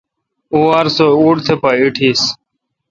او وار سو ووٹ تھ پا ایٹیس۔